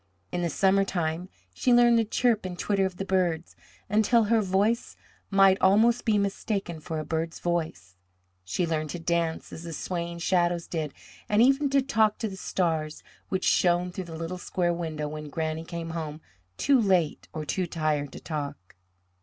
In the summer time she learned the chirp and twitter of the birds, until her voice might almost be mistaken for a bird's voice; she learned to dance as the swaying shadows did, and even to talk to the stars which shone through the little square window when Granny came home too late or too tired to talk.